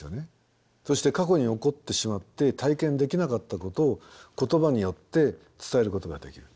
そして過去に起こってしまって体験できなかったことを言葉によって伝えることができる。